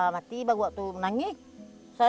mati waktu itu menangis